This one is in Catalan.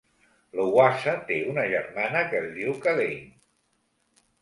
Lowassa té una germana que es diu Kalaine.